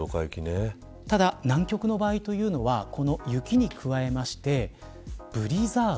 ただ、南極の場合というのはこの雪に加えましてブリザード。